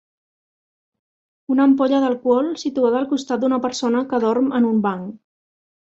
Una ampolla d'alcohol situada al costat d'una persona que dorm en un banc.